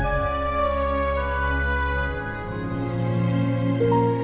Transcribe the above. ini dia pak